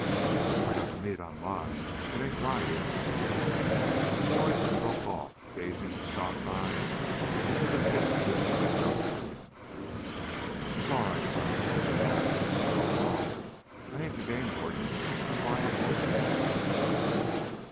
"I got the meat on mine. It ain't dry yet " The boy broke off, gazing with shocked eyes into the pit Billy had dug for him. "It's all right, sonny," Billy laughed, as he drove on. "I ain't the game warden. I 'm buyin' horses."